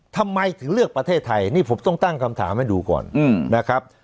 ทำไมถึงเลือกประเทศไทยนี่ผมต้องตั้งคำถามให้ดูก่อนนะครับ